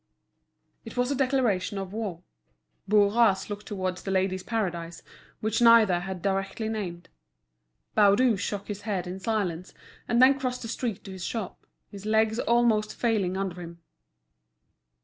It was a declaration of war. Bourras looked towards The Ladies' Paradise, which neither had directly named. Baudu shook his head in silence, and then crossed the street to his shop, his legs almost failing under him.